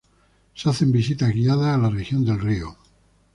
Se hacen visitas guiadas a la región del río.